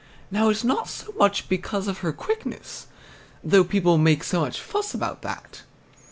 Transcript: Now, it's not so much because of her quickness, though people make so much fuss about that.